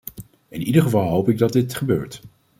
In ieder geval hoop ik dat dit gebeurt.